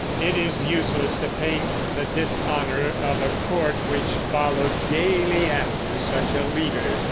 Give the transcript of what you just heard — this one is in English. It is useless to paint the dishonor of a court which followed gayly after such a leader.